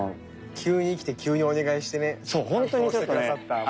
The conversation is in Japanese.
急に来て急にお願いしてね担当してくださった。